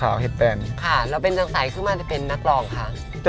มาได้เป็นนักรองค่ะ